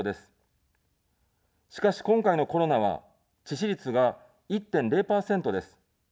しかし、今回のコロナは致死率が１．０％です。